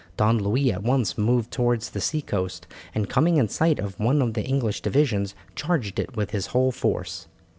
Don Louis at once moved towards the sea coast, and coming in sight of one of the English divisions, charged it with his whole force.